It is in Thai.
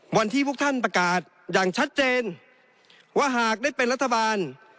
วันที่พวกท่านประกาศอย่างชัดเจนว่าหากได้เป็นรัฐบาล